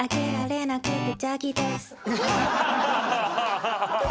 ハハハハ！